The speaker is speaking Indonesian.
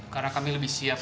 karena kami lebih siap